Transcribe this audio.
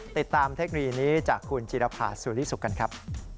เทคโนโลยีนี้จากคุณจิรภาสุริสุขกันครับ